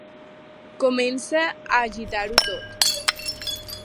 Comença a agitar-ho tot.